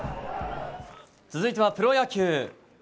続いてはプロ野球。